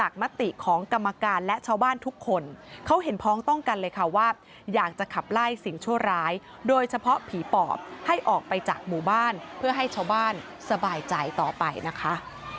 เขาเห็นพร้อมต้องกันเลยค่ะว่าอยากจะขับไล่สิ่งชั่วร้ายโดยเฉพาะผีปอบให้ออกไปจากหมู่บ้านเพื่อให้ชาวบ้านสบายใจต่อไปนะคะ